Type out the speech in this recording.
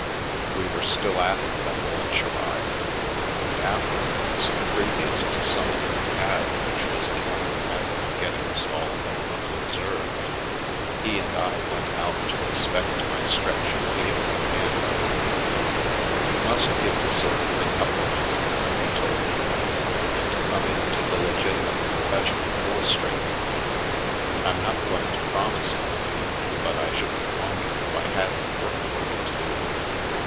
We were still at it when the lunch arrived, and afterwards, previous to summoning the cab which was the only method of getting us all home unobserved, he and I went out to inspect my stretch of pavement again. " You must give this sort of thing up, my dear," he told me, " and come into the legitimate profession of illustrating. I'm not going to promise anything, but I shouldn't wonder if I hadn't work for you to do."